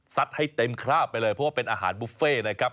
ให้เต็มคราบไปเลยเพราะว่าเป็นอาหารบุฟเฟ่นะครับ